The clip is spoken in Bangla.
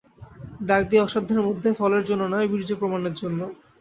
ডাক দিই অসাধ্যের মধ্যে, ফলের জন্যে নয়, বীর্য প্রমাণের জন্যে।